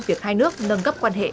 việc hai nước nâng gấp quan hệ